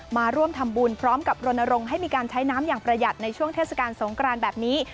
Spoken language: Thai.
มาร่วมทำบุญพร้อมกับรณรงค์ให้มีการใช้น้ำอย่างประหยัดในช่วงเทศกาลสงกรานแบบนี้